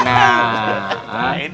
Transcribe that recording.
nah enak dong